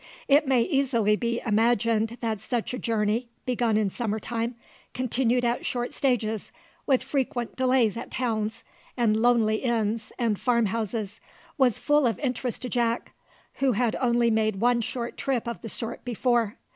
It may easily be imagined that such a journey, begun in summer time, continued at short stages, with frequent delays at towns, and lonely inns, and farm houses, was full of interest to Jack, who had only made one short trip of the sort before.